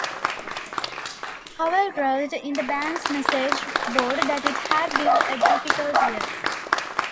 Powell wrote in the band's message board that it had been a difficult year.